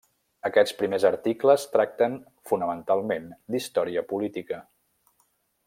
Aquests primers articles tracten fonamentalment d'història política.